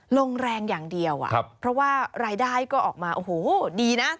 ลงแรงอย่างเดียวเพราะว่ารายได้ก็ออกมาโอ้โหดีนะ